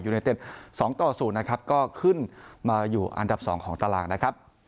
เนเต็ด๒ต่อ๐นะครับก็ขึ้นมาอยู่อันดับ๒ของตารางนะครับ